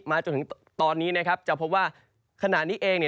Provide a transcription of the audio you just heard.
จนถึงตอนนี้จะพบว่าขณะนี้เอง